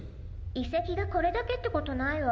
いせきがこれだけってことないわ。